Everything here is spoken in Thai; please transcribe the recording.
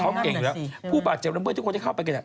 เขาเก่งอยู่แล้วผู้ป่าเจ็บน้ำเบื้อทุกคนจะเข้าไปกัน